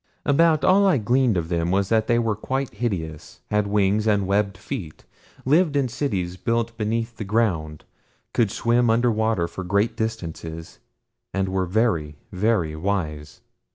About all I gleaned of them was that they were quite hideous, had wings, and webbed feet; lived in cities built beneath the ground; could swim under water for great distances, and were very, very wise.